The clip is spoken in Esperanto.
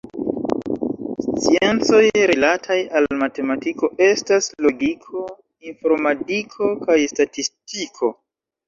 Sciencoj rilataj al matematiko estas logiko, informadiko kaj statistiko.